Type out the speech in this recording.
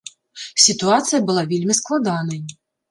Сітуацыя была вельмі складанай.